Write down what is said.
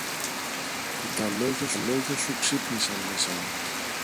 που τα λόγια σου ξύπνησαν μέσα μου.